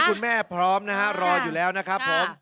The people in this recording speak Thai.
ตอนนี้คุณแม่พร้อมนะฮะรออยู่แล้วนะครับผม